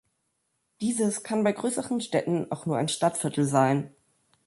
Dieses kann bei größeren Städten auch nur ein Stadtviertel sein.